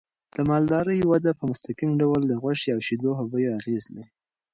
د مالدارۍ وده په مستقیم ډول د غوښې او شیدو په بیو اغېز لري.